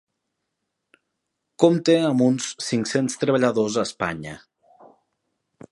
Compta amb uns cinc-cents treballadors a Espanya.